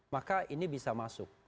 maka ini bisa masuk